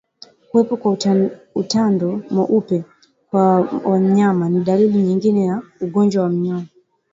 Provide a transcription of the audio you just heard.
Kuwepo kwa utando mweupe kwa mnyama ni dalili nyingine ya ugonjwa wa minyoo